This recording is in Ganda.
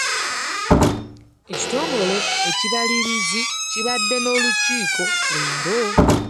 Ekitongole ekibalirizi kibadde n'olukiiko leero.